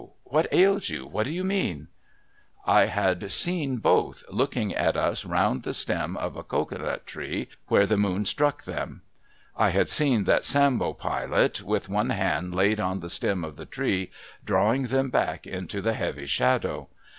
What ails you ? What do you mean ?' I had seen both, looking at us round the stem of a cocoa nut tree, where the moon struck them. I had seen that Sambo Pilot, with one hand laid on the stem of the tree, drawing them back into the heavy shadow.